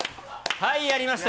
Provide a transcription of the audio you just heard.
はい、やりました。